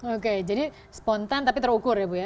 oke jadi spontan tapi terukur ya bu ya